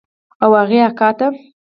او هغې اکا ته.